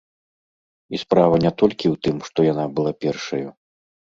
І справа не толькі ў тым, што яна была першаю.